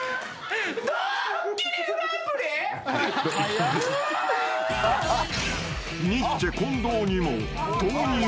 えっ！？